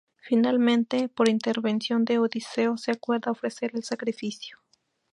Finalmente, por intervención de Odiseo, se acuerda ofrecer el sacrificio.